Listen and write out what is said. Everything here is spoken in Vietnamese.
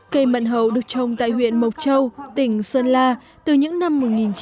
cây mận hậu được trồng tại huyện mộc châu tỉnh sơn la từ những năm một nghìn chín trăm bảy mươi